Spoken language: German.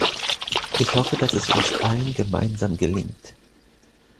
Ich hoffe, dass es uns allen gemeinsam gelingt.